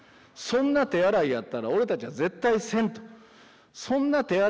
そんな手洗いやったら俺たちは絶対せん。